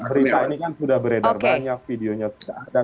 berita ini kan sudah beredar banyak